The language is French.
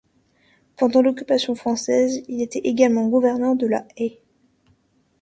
Pendant l'occupation française, il était également gouverneur de La Haye.